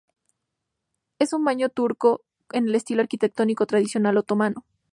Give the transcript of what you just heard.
Es un baño turco en el estilo arquitectónico tradicional otomano.